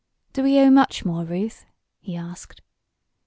"Do we owe much more, Ruth?" he asked.